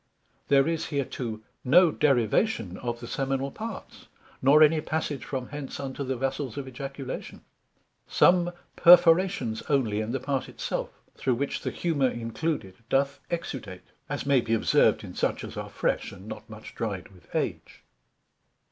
There is hereto no derivation of the seminal parts, nor any passage from hence, unto the Vessels of Ejaculation: some perforations onely in the part it self, through which the humour included doth exudate: as may be observed in such as are fresh, and not much dried with age.